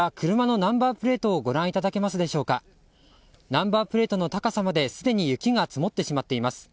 ナンバープレートの高さまですでに雪が積もってしまっています。